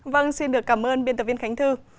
vâng xin được cảm ơn biên tập viên khánh thư